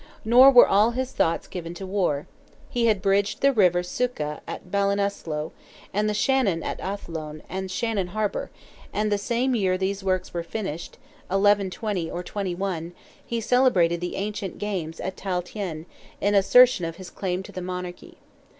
Nor were all his thoughts given to war. He had bridged the river Suca at Ballinasloe, and the Shannon at Athlone and Shannon harbour, and the same year these works were finished (1120 or '21) he celebrated the ancient games at Tailtean, in assertion of his claim to the monarchy.